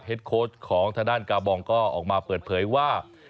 โค้ดของทางด้านกาบองก็ออกมาเปิดเผยว่า